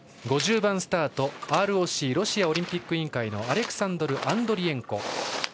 ５０番スタートＲＯＣ＝ロシアオリンピック委員会のアレクサンドル・アンドリエンコ。